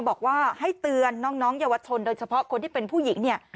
บอกว่าให้เตือนน้องเยาวชนโดยเฉพาะคนที่เป็นผู้หญิงเนี่ย